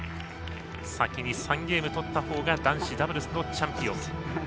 先に３ゲーム取ったほうが男子ダブルスのチャンピオン。